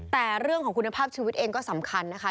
แต่เรื่องของคุณภาพชีวิตเองก็สำคัญนะคะ